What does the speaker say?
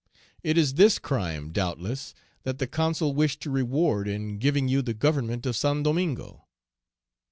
It is this crime, doubtless, that the Consul wished to reward in giving you the government of Saint Domingo."